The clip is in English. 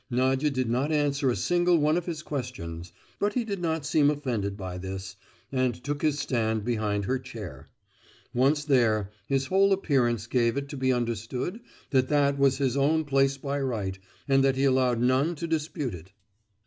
Nadia did not answer a single one of his questions, but he did not seem offended by this, and took his stand behind her chair. Once there, his whole appearance gave it to be understood that that was his own place by right, and that he allowed none to dispute it.